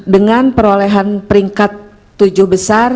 dengan perolehan peringkat tujuh besar